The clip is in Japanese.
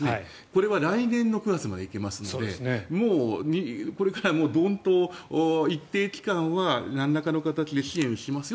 これは来年の９月まで行けますのでこれからドンと一定期間はなんらかの形で支援します